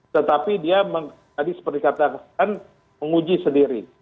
tetapi dia tadi seperti katakan menguji sendiri